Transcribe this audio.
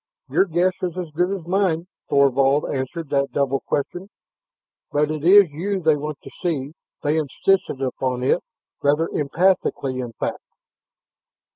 "Your guess is as good as mine," Thorvald answered that double question. "But it is you they want to see; they insisted upon it, rather emphatically in fact."